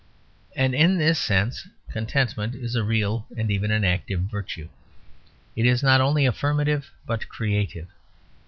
And in this sense contentment is a real and even an active virtue; it is not only affirmative, but creative.